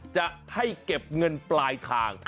จะให้เก็บเงินปลายทาง